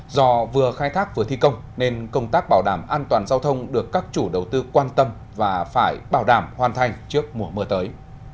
do vừa khai thác vừa thi công nên công tác bảo đảm an toàn giao thông được các chủ đầu tư quan tâm và phải bảo đảm hoàn thành trước mùa mưa tới